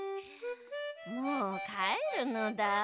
もうかえるのだ。